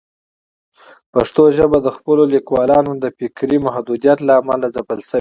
پښتو ژبه د خپلو لیکوالانو د فکري محدودیت له امله ځپل شوې.